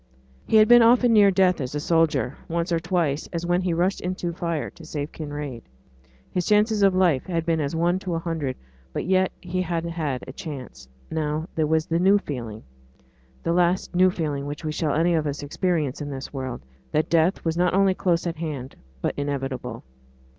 He had been often near death as a soldier; once or twice, as when he rushed into fire to save Kinraid, his chances of life had been as one to a hundred; but yet he had had a chance. But now there was the new feeling the last new feeling which we shall any of us experience in this world that death was not only close at hand, but inevitable.